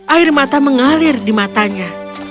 air mata mengalir di matanya